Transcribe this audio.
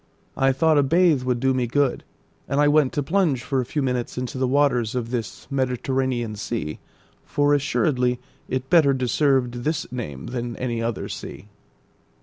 I thought a bathe would do me good, and I went to plunge for a few minutes into the waters of this mediterranean sea, for assuredly it better deserved this name than any other sea.